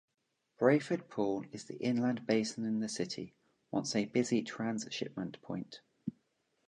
Brayford Pool is the inland basin in the city, once a busy transhipment point.